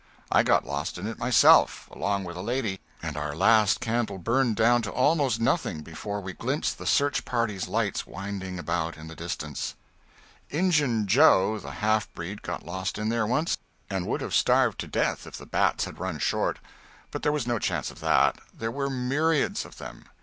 I got lost in it myself, along with a lady, and our last candle burned down to almost nothing before we glimpsed the search party's lights winding about in the distance. "Injun Joe" the half breed got lost in there once, and would have starved to death if the bats had run short. But there was no chance of that; there were myriads of them.